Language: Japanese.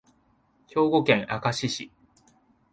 兵庫県明石市